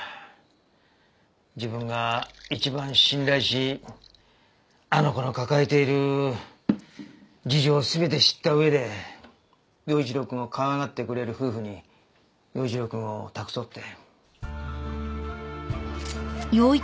自分が一番信頼しあの子の抱えている事情を全て知った上で耀一郎くんをかわいがってくれる夫婦に耀一郎くんを託そうって。